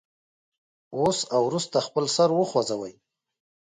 اوس او وروسته خپل سر وخوځوئ.